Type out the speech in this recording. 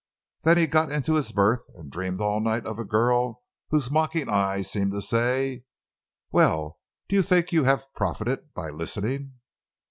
Then he got into his berth and dreamed all night of a girl whose mocking eyes seemed to say: "Well, do you think you have profited by listening?"